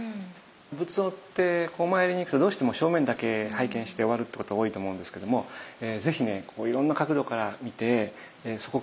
仏像ってお参りに来るとどうしても正面だけ拝見して終わるってこと多いと思うんですけども是非ねいろんな角度から見てそこから読み取れる時代性とかね